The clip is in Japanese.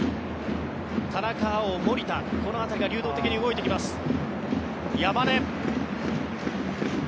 田中碧、守田辺りが流動的に動いてきます。